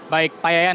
baik pak yayan